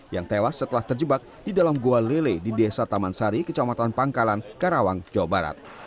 yang tewas setelah terjebak di dalam gua lele di desa taman sari kecamatan pangkalan karawang jawa barat